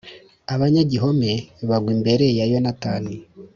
abanyagihome bagwa imbere ya Yonatani